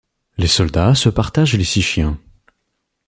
Les soldats se partagent les six chiens.